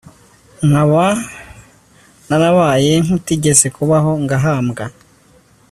Nkaba narabaye nk utigeze kubaho Ngahambwa